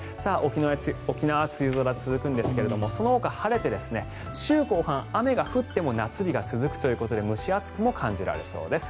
沖縄は梅雨空が続くんですがそのほか晴れて週後半、雨が降っても夏日が続くということで蒸し暑くも感じられそうです。